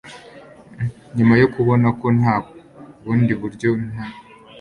Nyuma yo kubona ko nta bundi buryo nta